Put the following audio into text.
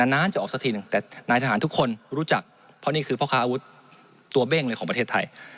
นานจะออกสักทีหนึ่งแต่นายทหารทุกคนรู้จักเพราะนี่คือพ่อค้าอาวุธตัวเบ้งเลยของประเทศไทย